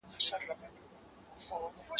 نن گدا وو خو سبا به دنيا دار وو